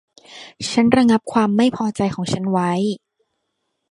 ฉันระงับความไม่พอใจของฉันไว้